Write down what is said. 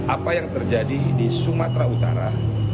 apa yang terjadi di sumatera utara